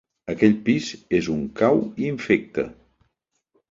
Aquell pis és un cau infecte.